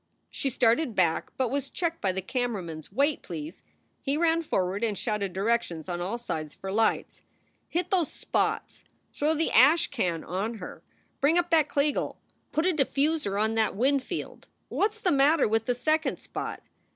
She started back, but was checked by the camera man s "Wait, please!" He ran forward and shouted directions on all sides for lights. "Hit those spots! Throw the ash can on her. Bring up that Kliegl. Put a diffuser on that Winfield. What s the matter with the second spot?